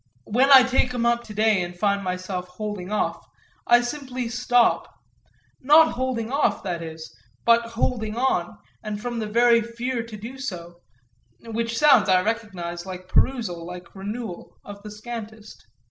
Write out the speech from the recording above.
When I take him up to day and find myself holding off, I simply stop: not holding off, that is, but holding on, and from the very fear to do so; which sounds, I recognise, like perusal, like renewal, of the scantest.